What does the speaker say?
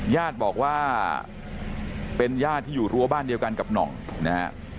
ญาติบอกว่าเป็นญาติที่อยู่รั้วบ้านเดียวกันกับหน่องนะฮะ